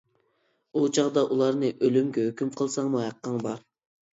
ئۇ چاغدا ئۇلارنى ئۆلۈمگە ھۆكۈم قىلساڭمۇ ھەققىڭ بار.